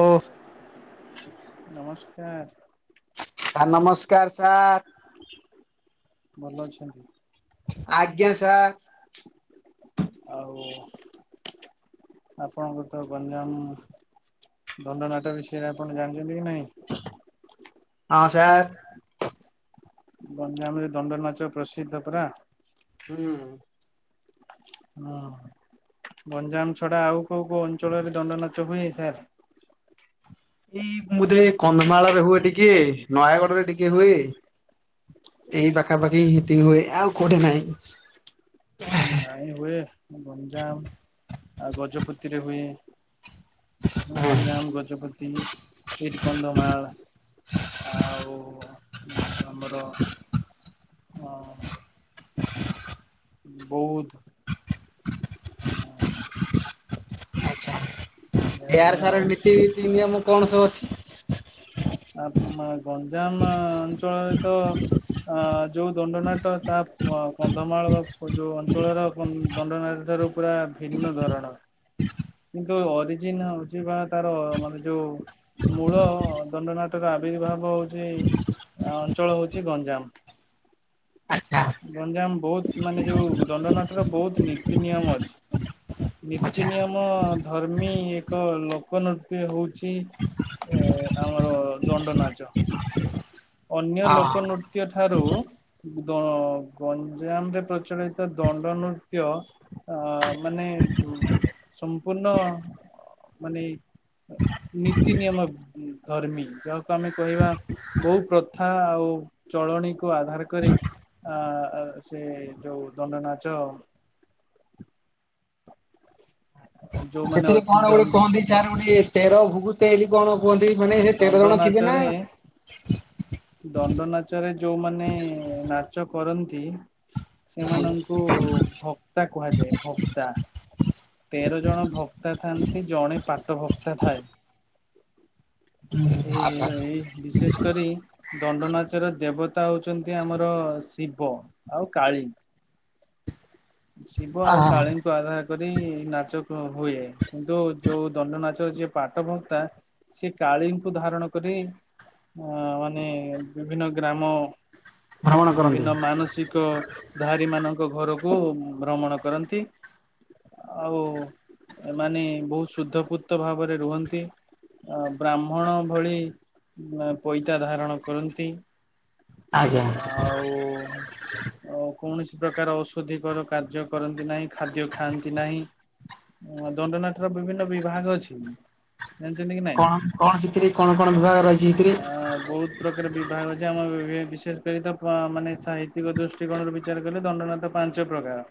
ମୁଁ। ନମସ୍କାର। ସାର୍ ନମସ୍କାର ସାର୍। ଭଲ ଅଛନ୍ତି? ଆଜ୍ଞା ସାର। ଆଉ ଆପଣଙ୍କ ତ ଗଞ୍ଜାମ। ଦଣ୍ଡ ନାଟ ବିଷୟରେ ଆପଣ ଜାଣିଚନ୍ତି କି ନାଇଁ? ହଁ ସାର୍। ଗଞ୍ଜାମରେ ଦଣ୍ଡନ ନାଚ ପ୍ରସିଦ୍ଧ ପରା। ହୁଁ। ହୁଁ ଗଞ୍ଜାମ ଛଡା ଆଉ କୋଉ କୋଉ ଅଞ୍ଚଳରେ ଦଣ୍ଡନାଚ ହୁଏ ସାର୍? ଏଇ ବୋଧେ କନ୍ଧମାଳରେ ହୁଏ, ଟିକେ ନୟାଗଡରେ ଟିକେ ହୁଏ। ଏଇ ପାଖାପାଖି ହେତିକି ହୁଏ। ଆଉ କୋଉଠି ନାଇଁ। ନାଇଁ ହୁଏ ଗଞ୍ଜାମ ଆଉ ଗଜପତିରେ ହୁଏ। ହଁ ଗଞ୍ଜାମ ଗଜପତି ଏଇଠ କନ୍ଦମାଳ। ଆଉ ଆମର ହଁ। ବୋହୁତ [unintelligible] ହେୟାର ହୁଏ ସାର ଆଉ। ମିଟି, ଇତି, ନିୟମ କଣ ସବୁ ଅଛି? ଆପ ମା ଗଞ୍ଜାମ ଅଞ୍ଚଳରେ ତ ଆ ଯୋଉ ଦଣ୍ଡନାଟ ତାପ କୂଅଁ କନ୍ଧମାଳ ବା ଯୋଉ ଅଞ୍ଚଳର ଦଣ୍ଡନାଟ ଠାରୁ ପୁରା ଭିନ୍ନ ଧରଣର। କିନ୍ତୁ ଅରିଜିନା ହୋଉଜି ବା ତାର ମାନେ ଯୋଉ ମୂଳ ଦଣ୍ଡନାଟ ର ଆବିର୍ଭାବ ହୋଉଚି ଆ ଅଞ୍ଚଳ ହୋଉଚି ଗଞ୍ଜାମ। ଆଚ୍ଛା ଗଞ୍ଜାମ ବହୁତ ମାନେ ଯୋଉ ଦଣ୍ଡନାଟର ବହୁତ ନୀତି ନିୟମ ଅଛି। ଆଚ୍ଛା ନୀତି ନିୟମ ଧର୍ମୀ ଏକ ଲୋକ ନୃତ୍ୟ ହୋଉଚି ଏ ଆମର ଦଣ୍ଡ ନାଚ। ଅନ୍ୟ ଲୋକ ହଁ ନୃତ୍ୟ ଠାରୁ ଦ ଗଞ୍ଜାମରେ ପ୍ରଚଳିତ ଦଣ୍ଡ ନୃତ୍ୟ ଆ ମାନେ ଉ ସମ୍ପୂର୍ଣ୍ଣ ମାନେ ନୀତି ନିୟମ ଧର୍ମୀ। ଯାହାକୁ ଆମେ କହିବା ବୋହୁତ ପ୍ରଥା ଆଉ ଚଳଣିକୁୁ ଆଧାର କରି ଆ ସେ ଯୋଉ ଦଣ୍ଡ ନାଚ। ଯୋଉମାନେ ଅଦ ଦନ୍। ଚାର ଗୋଟେ ତେର ଭୁଗୁ ତେରି କଣ କୁହନ୍ତି ମାନେ ସେ ତେର ଜଣ ଥିବେ ନା? ନାଚରେ ଦଣ୍ଡ ନାଚରେ ଯୋଉମାନେ ନାଚ କରନ୍ତି ସେମାନ ଙ୍କୁ ଭକ୍ତା କୁହାଯାଏ ଭକ୍ତା। ତେର ଜଣ ଭକ କ୍ତା ଥାନ୍ତି ଜଣେ ପାଟ ଭକ୍ତା ଥାଏ। ଏ ଆଚ୍ଛା ଏଇ ବିଶେଷ କରି ଦଣ୍ଡନାଚର ଦେବତା ହୋଉଚନ୍ତି ଆମର ଶିବ ଆଉ କାଳୀ। ଶିବ ଆ ଆଉ କାଳୀ ଙ୍କୁ ଆଧାର କରି ନାଚ ହୁଏ, କିନ୍ତୁ ଯୋଉ ଦଣ୍ଡ ନାଚରେ ଯିଏ [unintelligible] ସେ କାଳୀଙ୍କୁ ଧାରଣ କରି ଅ ମାନେ ବିଭିନ୍ନ ଗ୍ରାମ ଭ୍ରମଣ କରନ୍ତି ବିଭିନ୍ନ ମାନସିକ ଧାରୀ ମାନଙ୍କ ଘରକୁ ଭ୍ରମଣ କରନ୍ତି। ଆଉ ଏମାନେ ବହୁତ ଶୁଦ୍ଧପୁତ ଭାବରେ ରୁହନ୍ତି। ଅ ବ୍ରାହ୍ମଣ ଭଳି ପଇତା ଧାରଣ କରନ୍ତି। ଆଜ୍ଞା ଆଉ କୌଣସି ପ୍ରକାର ଓ ଅଧିକର କାର୍ଯ୍ୟ କରନ୍ତି ନାହିଁ ଖାଦ୍ୟ ଖାଆନ୍ତି ନାହିଁ। ହ ଦଣ୍ଡ ନାଚ ର ବିଭିନ୍ନ ବିଭାଗ ଅଛି। ଜାଣିଛନ୍ତି କି ନା କଣ କଣ ସେଥିରେ କଣ କଣ ବିଭାଗ ରହିଚି ଏଥିରେ ଆ ବହୁତ ପ୍ରକାର ବିଭାଗ ରହିଚି ଯେ ଆମ ବିଶେଷ କରି ତ ମାନେ ସାହିତ୍ୟିକ ଦୃଷ୍ଟିକୋଣରୁ ବିଚାର କଲେ ଦଣ୍ଡନାଚ ପାଞ୍ଚ ପ୍ରକାର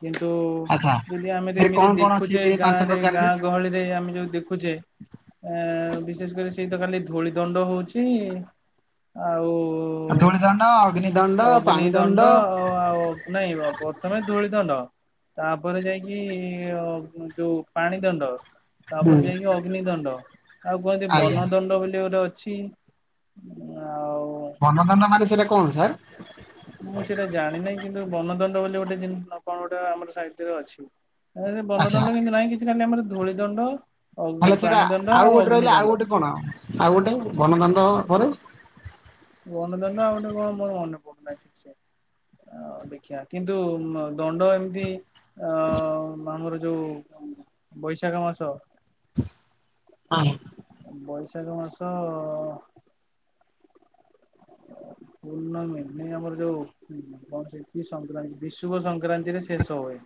କିନ୍ତୁ ଆଚ୍ଛା ଯଦି ଆମେ ସେଥିରେ ଏମିତି କଣ କଣ ଅଛି ଦେଖୁଛେ ସେଥିରେ ପାଞ୍ଚ ଗାଁରେ ପ୍ରକାରରେ ଗାଁ ଗହଳିରେ ଆମେ ଯୋଉ ଦେଖୁଚେ ଏ ବିଶେଷ କରି ସେଇ ତ ଖାଲି ଧୂଳି ଦଣ୍ଡ ହଉଚି ଆଉ ଓ ଧୂଳି ଦଣ୍ଡ ଅଗ୍ନି ଦଣ୍ଡ ଅଗ୍ନି ପାଣି ଦଣ୍ଡ ଆ ଆଉ ନାଇଁ ପ୍ରଥମେ ଧୂଳି ଦଣ୍ଡ ତାପରେ ଯାଇକି ଯୋଉ ପାଣି ଦଣ୍ଡ ହୁଁ ତାପରେ ଯାଇକି ଅଗ୍ନି ଦଣ୍ଡ ଆଉ କୁହନ୍ତି ଆଜ୍ଞା ବନଦଣ୍ଡ ବୋଲି ଗୋଟେ ଅଛି। ଆଉ ବନଦଣ୍ଡ ମାନେ ସେଟା କଣ ସାର୍? ମୁଁ ସେଇଟା ଜାଣିିନାହିଁ କିନ୍ତୁ ବନଦଣ୍ଡ ବୋଲି ଗୋଟେ ଜିନିଷ କଣ ଗୋଟେ ଆମର ସାଇଟ ରେ ଅଛି। ବନ ଆଚ୍ଛା ଦଣ୍ଡ କିନ୍ତୁ ନାହିଁ କିଛି ଖାଲି ଆମର ଧୂଳି ଦଣ୍ଡ ତାହଲେ ସେଟା ଆଉ ଗୋଟେ ରହିଲେ ଆଉ ଗୋଟେ କଣ ଆଉ ଗୋଟେ ବନ ଦଣ୍ଡ ପରେ ବନ ଦଣ୍ଡ ଆଉ ଗୋଟେ କଣ ମୋର ମନେ ପଡୁନାହିଁ ଠିକ ସେ। ଆ ଦେଖିବା କିନ୍ତୁ ଦଣ୍ଡ ଏମିତି ଅ ଆମର ଯୋଉ ବୈଶାଖ ମାସ [unintelligible] ବୈଶାଖ ମାସ ପୂର୍ଣ୍ଣମି ନାଇଁ ଆମର ଯୋଉ କଣ ସେ କି ସଂକ୍ରାନ୍ତି ବିଶୁଭ ସଂକ୍ରାନ୍ତିରେ ଶେଷ ହୁଏ।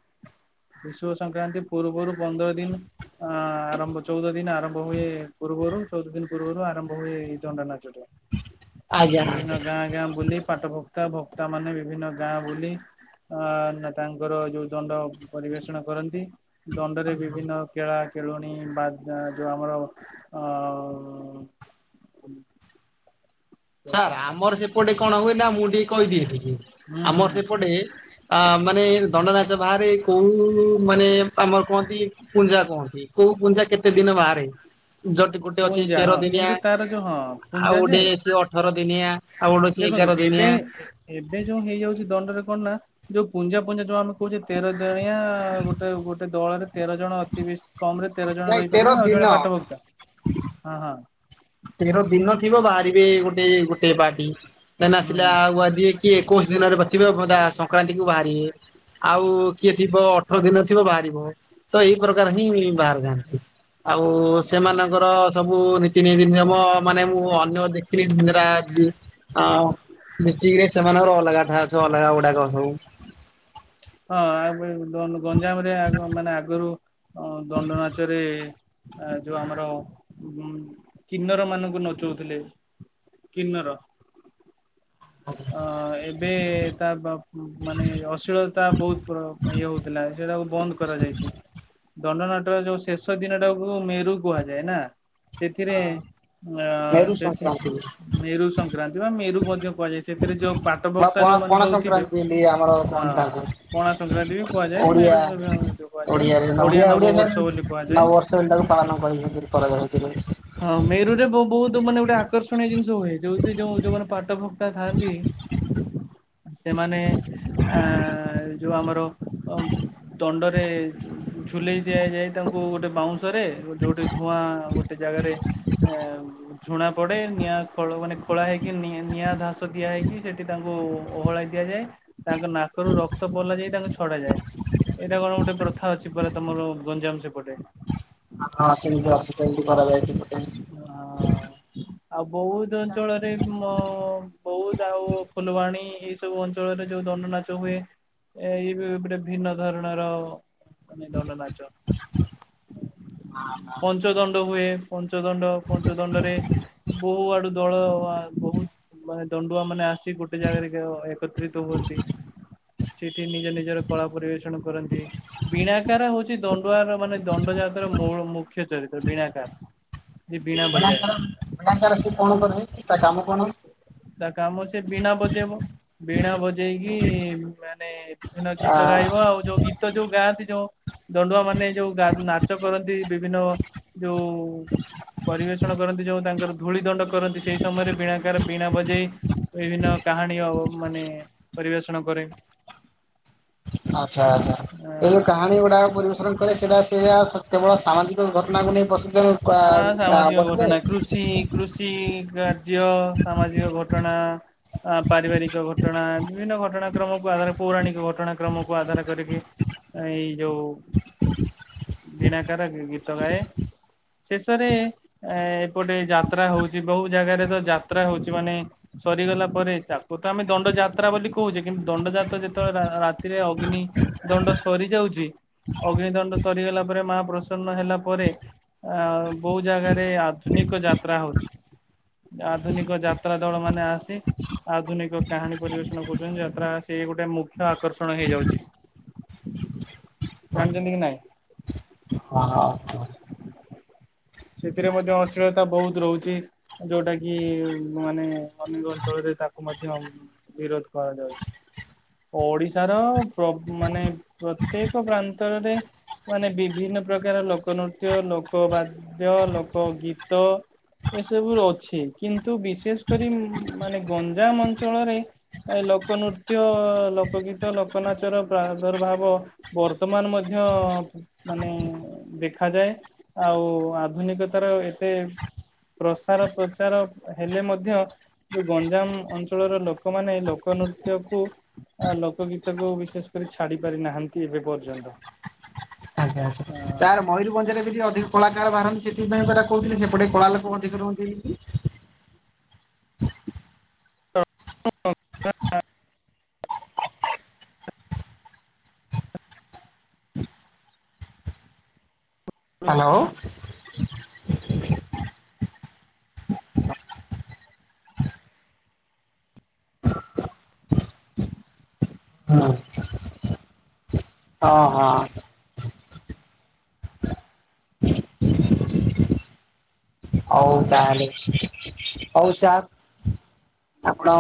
ବିଷୁବ ସଂକ୍ରାନ୍ତି ପୂର୍ବରୁ ପନ୍ଦର ଦିନ ଅ ଆରମ୍ଭ ଚଉଦ ଦିନ ଆରମ୍ଭ ହୁଏ ପୂର୍ବରୁ ଚଉଦ ଦିନ ପୂର୍ବରୁ ଆରମ୍ଭ ହୁଏ ଏଇ ଦଣ୍ଡ ନାଚ ଟା। ଆଜ୍ଞା ଆଜ୍ଞା। ଗାଁ ଗାଁ ବୁଲି ପାଠଭକ୍ତା ଭକ୍ତା ମାନେ ବିଭିନ୍ନ ଗାଁ ବୁଲି ଆ ତାଙ୍କର ଯୋଉ ଦଣ୍ଡ ପରିବେଷଣ କରନ୍ତି ଦଣ୍ଡରେ ବିଭିନ୍ନ କେଳା କେଳୁଣି ବା ଯୋଉ ଆମର ଅ ଯୋଉ ସାର୍ କଣ ଆମର ସେପଟେ କଣ ହୁଏ ନା ମୁଁ ଟିକେ କହିଦିଏ ତିକେ ହୁଁ ଆମର ହୁଁ ସେପଟେ ଅ ମାନେ ଦଣ୍ଡ ନାଚ ବାହାରେ କୋଉ ମାନେ ଆମର କୁହନ୍ତି କୁଞ୍ଜା କୁହନ୍ତି। କୋଉ ପୁଞ୍ଚା କେତେ ଦିନ ବାହାରେ ଯଠି ଗୋଟେ ଅଛି ପୁଞ୍ଜା ତେର ହଁ ଦିନିଆ କିନ୍ତୁ ତାର ଯୋଉ ହଁ ଆଉ ପୁଞ୍ଜା ଗୋଟେ ଯେ ଅଛି ଅ ଠର ଦିନିଆ ଆଉ ଗୁଟେଅଛି ଦେଖନ୍ତୁ ଏଗାର ଏବେ ଦିନିଆ ଏବେ ଯୋଉ ହେଇଯାଉଛି ଦଣ୍ଡରେ କଣ ନା ଯୋଉ ପୁଞ୍ଜା ପୁଞ୍ଜା ଯୋଉ ଆମେ କହୁଛେ ତେର ଜଣିଆ ଗୋଟେ ଗୋଟେ ଦଳରେ ତେର ଜଣ ଅତି କମ ରେ ତେର ଜଣ ନାଇଁ ତେର ରହିପାରିବେ ଆଉ ଦିନ। ଜଣେ ପାଠଭକ୍ତା ହଁ ହଁ ତେର ଦିନ ଥିବ ବାହାରିବେ ଗୋଟେ ଗୋଟେ ପାର୍ଟି ନ ହୁଁ ଆସିଲା ହୁଁ ଆଗୁଆ କି ଏକୋଇଶ ଦିନରେ ପ୍ରତିବଧା ସଂକ୍ରାନ୍ତି କୁ ବାହାରିଏ ଆଉ କିଏ ଥିବ ଅଠର ଦିନ ଥିବ ବାହାରିବ ତ ଏଇ ପ୍ରକାର ହିଁ ବାହାରି ଯାଆନ୍ତି ଆଉ ସେମାନଙ୍କର ସବୁ ନୀତିନୀଦିନ ମାନେ ମୁଁ ଅନ୍ୟ ଦେଖିଲି ଡିଷ୍ଟିକ ରେ ସେମାନଙ୍କର ଅଲଗା ଠା ଅ ଅଲଗା ଗୁଡାକ ସବୁ ହଁ ଆ ଗଞ୍ଜାମରେ ମାନେ ଆଗରୁ ଦଣ୍ଡ ନାଚରେ ଆ ଯୋଉ ଆମର ଉ କିନ୍ନର ମାନଙ୍କୁ ନଚଉଥିଲେ କିନ୍ନର ଅ ଏବେ ତା ମାନେ ଅସ୍ଲିମଳତା ବହୁତ ଇଏ ହଉଥିଲା ସେ ତାକୁ ବନ୍ଦ କରାଯାଇଛି। ଦଣ୍ଡନାଟର ଯୋଉ ଶେଷ ଦିନଟାକୁ ମେରୁ କୁହାଯାଏ ନା ସେଥିରେ ହଁ ଅ ମେରୁ ସେଠ ସଂକ୍ରାନ୍ତି। ମେରୁ ସଂକ୍ରାନ୍ତି ବା ମେରୁ ମଧ୍ୟ କୁହାଯାଏ। ସେଥିରେ ଯୋଉ ପାଠ ବା ଭକ୍ତା ପଣା ଯୋଉମାନୋନ ପଣା ସବୁଥିବେ ସଂକ୍ରାନ୍ତି ବୋଲି ଆମର ହଁ କହନ୍ତି ତାଙ୍କୁ କଣା ସଂକ୍ରାନ୍ତି ବି କୁହାଯାଏ ଓଡିଆ ମେରୁ କୁହାଯାଏ ଓଡିଆ ନବବର୍ଷ ବୋଲି କୁହାଯାଏ ନବବର୍ଷ ବୋଲି ତାକୁ ପାଳନ [unintelligible] ହଁ ମେରୁ ରେ ବହୁତ ମାନେ ଗୋଟେ ଆକର୍ଷଣୀୟ ଜିନିଷ ହୁଏ ଯୋଉଠି ଯୋଉ ଯୋଉମାନେ ପାଟ ଭକ୍ତା ଥାନ୍ତି। ସେମାନେ ଆ ଯୋଉ ଆମର ଦଣ୍ଡରେ ଝୁଲେଇ ଦିଆଯାଏ ତାଙ୍କୁ ଗୋଟେ ବାଉଶ ଯେଉଁଠି ଧୂଆଁ ଗୋଟେ ଜାଗାରେ ଝୁଣା ପଡେ ନିଆଁ ଖ ମାନେ ଖୋଳା ହେଇକି ନି ନିଆଁ ଧାସ ଦିଆ ହେଇକି ସେଠି ତାଙ୍କୁ ଓହଳାଇ ଦିଆଯାଏ ତାଙ୍କ ନାକରୁ ରକ୍ତ ପୋଲା ଯାଇ ତାଙ୍କୁ ଛଡାଯାଏ ଏଇଟା କଣ ଗୋଟେ ପ୍ରଥା ଅଛି ପୁରା ତମର ଗଞ୍ଜାମ ସେପଟେ ହଁ ହଁ ସେମିତି ସେମିତି କରାଯାଇଛି ଏପଟେ ହଁ ଆଉ ବହୁତ ଅଞ୍ଚଳରେ ବହୁତ ଆଉ ଫୁଲବାଣୀ ଏଇ ସବୁ ଅଞ୍ଚଳରେ ଯୋଉ ଦଣ୍ଡ ନାଚ ହୁଏ ଏ ଇ ବି ଗୋଟେ ଭିନ୍ନ ଧରଣର ମାନେ ଦଣ୍ଡ ନାଚ [unintelligible] [unintelligible] ପଞ୍ଚ ଦଣ୍ଡ ହୁଏ। ପଞ୍ଚଦଣ୍ଡ ପଞ୍ଚଦଣ୍ଡରେ ବହୁ ଆଡୁ ଦଳ ବହୁତ। ମାନେ ଦଣ୍ଡୁଆ ମାନେ ଆସି ଗୋଟେ ଜାଗାରେ ଏକତ୍ରିତ ହୁଅନ୍ତି। ସେଇଠି ନିଜ ନିଜର କଳା ପରିବେଷଣ କରନ୍ତି। ବିଣାକାର ହଉଛି ଦଣ୍ଡୁଆର ମାନେ ଦଣ୍ଡ ଜାତର ମୁଖ୍ୟ ଚରିତ୍ର ବିଣାକାର। କଳାକାର କଳାକାର ସିଏ କଣ କରିବ ତା କାମ କଣ? ତା କାମ ସେ ବିଣା ବଜେଇବ ବିଣା ବଜେଇ ଯାଇକି ମାନେ ବିଭିନ୍ନ ଆ ଗୀତ ଗାଇବ ଆଉ ଯୋଉ ଗୀତ ଯୋଉ ଗାଆନ୍ତି ଯୋଉ ଦଣ୍ଡୁଆ ମାନେ ଯୋଉ ନାଚ କରନ୍ତି ବିଭିନ୍ନ ଯୋଉ ପରିବେଷଣ କରନ୍ତି ଯୋଉ ତାଙ୍କର ଧୂଳି ଦଣ୍ଡ କରନ୍ତି ସେଇ ସମୟରେ ବିଣାକାର ବିଣା ବଜେଇ ବିଭିନ୍ନ କାହାଣୀ ମାନେ ପରିବେଷଣ କରେ [inaudible] ଆଚ୍ଛା ଆଚ୍ଛା ଏ ଆ ଯୋଉ କାହାଣୀ ଗୁଡ଼ାକ ପରିବେଶଷଣ କରେ ସେଇଟା ସେଇଟା କେବଳ ସାମାଜିକ ଘଟଣାକୁ ନେଇ ପ୍ରସ୍ତୁତ ହଁ ସାମାଜିକ ଘଟଣା କୃଷି କୃଷି କାର୍ଯ୍ୟ ସାମାଜିକ ଘଟଣା। ଆ ପାରିବାରିକ ଘଟଣା ବିଭିନ୍ନ ଘଟଣା କ୍ରମକୁ ଆଧାର ପୌରାଣିକ ଘଟଣା କ୍ରମକୁ ଆଧାର କରିକି ଏଇ ଯୋଉ ବିଣାକାର ଗୀତ ଗାଏ। ଶେଷରେ ଏ ଏପଟେ ଯାତ୍ରା ହଉଚି କୋଉ ଜାଗାରେତ ଯାତ୍ରା ହଉଚି ମାନେ ସରିଗଲା ପରେ ଚାକୁତ ଆମେ ଦଣ୍ଡ ଯାତ୍ରା ବୋଲି କହୁଚେ କିନ୍ତୁ ଦଣ୍ଡଯାତ୍ରା ଯେତେବେଳେ ରାତିରେ ଅଗ୍ନି ଦଣ୍ଡ ସରିଯାଉଚି ଅଗ୍ନି ଦଣ୍ଡ ସରିଗଲା ପରେ ମା ପ୍ରସନ୍ନ ହେଲା ପରେ ଆ କୋଉ ଜାଗାରେ ଆଧୁନିକ ଯାତ୍ରା ହଉଚି। ଆଧୁନିକ ଯାତ୍ରା ଦଳ ମାନେ ଆସି ଆଧୁନିକ କାହାଣୀ ପରିବେଷଣ କରୁଚନ୍ତି ଯାତା ସେଗୋଟେ ମୁଖ୍ୟ ଆକର୍ଷଣ ହେଇଯାଉଚି। ଜାଣିଚନ୍ତିକି ନାଇଁ? ହଁ ହଁ। ସେଥିରେ ମଧ୍ୟ ଅଶୀଳତା ବହୁତ୍ ରହୁଚି। ଯୋଉଟାକି ମାନେ ଅନେକ ଅଞ୍ଚଳରେ ତାକୁ ମଧ୍ୟ ବିରୋଧ କରାଯାଉଛି। ଓଡ଼ିଶାର ପ୍ର ମାନେ ପ୍ରତ୍ୟେକ ପ୍ରାନ୍ତରେ ମାନେ ବିଭିନ୍ନ ପ୍ରକାର ଲୋକ ନୃତ୍ୟ ଲୋକ ବାଦ୍ୟ ଲୋକ ଗୀତ ଏସବୁ ର ଅଛି କିନ୍ତୁ ବିଶେଷ କରି ମାନେ ଗଞ୍ଜାମ ଅଞ୍ଚଳରେ ଏ ଲୋକ ନୃତ୍ୟ ଲୋକ ଗୀତ ଲୋକ ନାଚର ପ୍ରାଦୁର୍ଭାବ ବର୍ତ୍ତମାନ ମଧ୍ୟ ମାନେ ଦେଖାଯାଏ ଆଉ ଆଧୁନିକତାର ଏତେ ପ୍ରସାର ପ୍ରଚାର ହେଲେ ମଧ୍ୟ ଯୋଉ ଗଞ୍ଜାମ ଅଞ୍ଚଳର ଲୋକମାନେ ଲୋକ ନୃତ୍ୟ କୁ ଆ ଲୋକ ଗୀତକୁ ବିଶେଷ କରି ଛାଡ଼ିପାରି ନାହାନ୍ତି ଏବେ ପର୍ଯ୍ୟନ୍ତ। ଆଜ୍ଞା ଅ ସାର୍ ମୟୂରଭଞ୍ଜାରରେ ବି ଅଧିକ କଳାକାର ବାହାରନ୍ତି ସେଥିପାଇଁ ପରା କହୁଥିଲେ ସେପଟେ କଳା ଲୋକ ଅଧିକ ରୁହନ୍ତି ବୋଲିକି? ହାଲୋ। ହଁ। ହଁ ହଁ। ହଉ ତାହେଲେ ହଉ ସାର୍ ଆପଣ